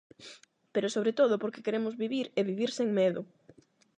Pero, sobre todo, porque queremos vivir e vivir sen medo.